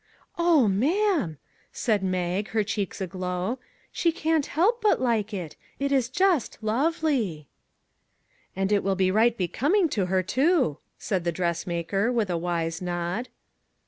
"" Oh, ma'am," said Mag, her cheeks aglow, " she can't help but like it; it is just lovely! "" And it will be right becoming to her, too," said the dressmaker with a wise nod.